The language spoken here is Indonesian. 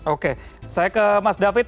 oke saya ke mas david